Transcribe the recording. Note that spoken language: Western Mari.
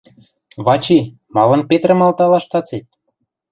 Вачи, малын Петрӹм алталаш цацет?